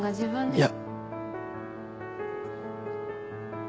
いや。